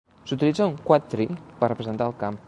S'utilitza un "quadtree" per representar el camp.